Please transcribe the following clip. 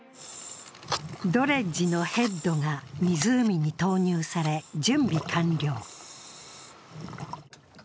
ドレッジのヘッドが湖に投入され、準備完了。